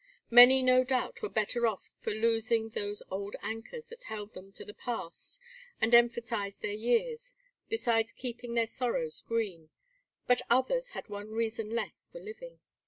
Many no doubt were better off for losing those old anchors that held them to the past and emphasized their years, besides keeping their sorrows green, but others had one reason less for living.